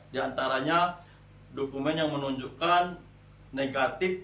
di antaranya dokumen yang menunjukkan negatif